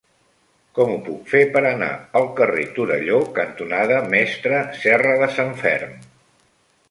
Com ho puc fer per anar al carrer Torelló cantonada Mestre Serradesanferm?